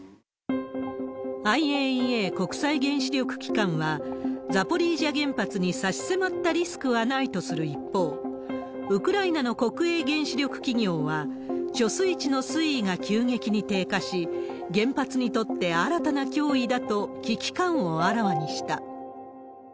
ＩＡＥＡ・国際原子力機関は、ザポリージャ原発に差し迫ったリスクはないとする一方、ウクライナの国営原子力企業は、貯水池の水位が急激に低下し、原発にとって新たな脅威だと、危機感をあらわにした。